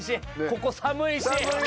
ここ寒いし。